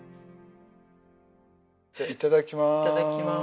じゃあいただきます。